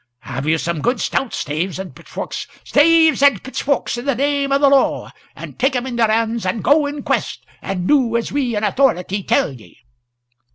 "Have you some good stout staves and pitchforks " "Staves and pitchforks in the name o' the law. And take 'em in yer hands and go in quest, and do as we in authority tell ye."